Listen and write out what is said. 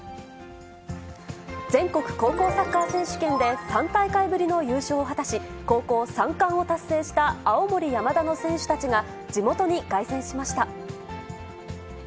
全国高校サッカー選手権で３大会ぶりの優勝を果たし、高校３冠を達成した青森山田の選手たちが、地元に凱旋しました。